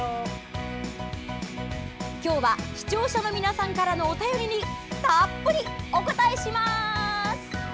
今日は視聴者の皆さんからのお便りにたっぷりお答えします！